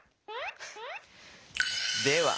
では。